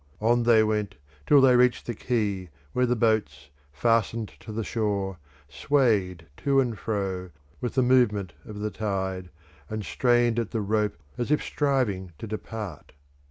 On they went till they reached the quay where the boats, fastened to the shore, swayed to and fro with the movement of the tide, and strained at the rope as if striving to depart.